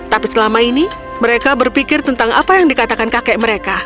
tapi selama ini mereka berpikir tentang apa yang dikatakan kakek mereka